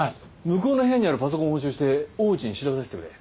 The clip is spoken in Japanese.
向こうの部屋にあるパソコンを押収して大内に調べさせてくれ。